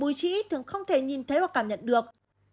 búi trĩ thường không thể nhìn thấy hoặc cảm nhận được